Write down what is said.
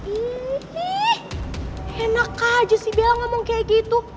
ih enak aja sih bel ngomong kayak gitu